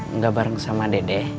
enggak bareng sama dede